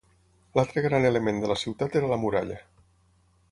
L'altre gran element de la ciutat era la muralla.